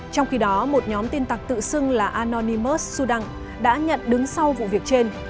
trong khi đó một nhóm tin tặc tự xưng là anonimus sudan đã nhận đứng sau vụ việc trên